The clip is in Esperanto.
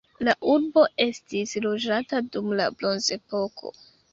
La urbo estis loĝata dum la bronzepoko.